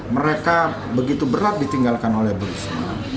mereka begitu berat ditinggalkan oleh burisma